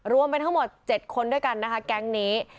รวมเป็นทั้งหมด๗คนด้วยกันนะคะแก๊งนี้